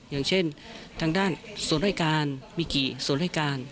อย่างเช่นทางด้านส่วนรายการมีกี่ส่วนรายการ